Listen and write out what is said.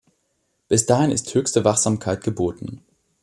Bis dahin ist höchste Wachsamkeit geboten.